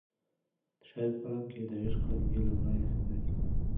د شاعر په کلام کې د عشق لمبې له ورایه ښکاري.